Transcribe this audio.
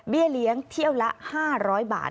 เลี้ยงเที่ยวละ๕๐๐บาท